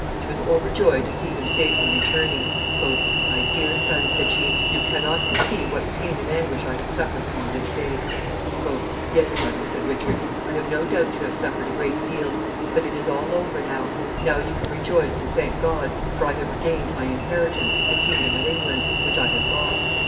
She was overjoyed to see him safely returning. "My dear son," said she, "you can not conceive what pain and anguish I have suffered for you this day." "Yes, mother," said Richard, "I have no doubt you have suffered a great deal. But it is all over now. Now you can rejoice and thank God, for I have regained my inheritance, the kingdom of England, which I had lost."